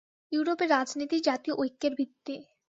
ইউরোপে রাজনীতিই জাতীয় ঐক্যের ভিত্তি।